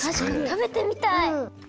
たべてみたい。